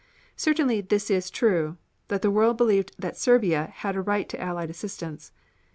Certainly this is true, that the world believed that Serbia had a right to Allied assistance.